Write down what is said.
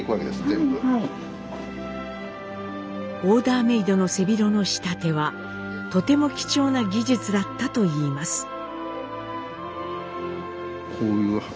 オーダーメードの背広の仕立てはとても貴重な技術だったといいます。